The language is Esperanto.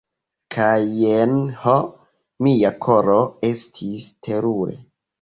Kaj jen ho, mia koro, estis terure.